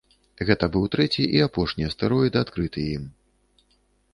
Гэта быў трэці і апошні астэроід, адкрыты ім.